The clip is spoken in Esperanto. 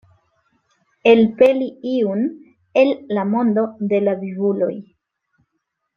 Elpeli iun el la mondo de la vivuloj.